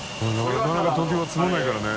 なかなか東京は積もらないからね。